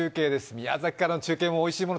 宮崎からの中継もおいしいもの